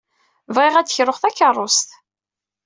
Bɣiɣ ad d-kruɣ takeṛṛust.